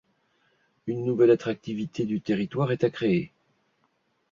Une nouvelle attractivité du territoire est à créer.